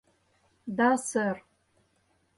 — Да, сэр.